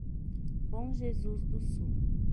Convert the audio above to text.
Bom Jesus do Sul